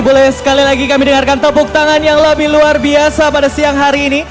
boleh sekali lagi kami dengarkan tepuk tangan yang lebih luar biasa pada siang hari ini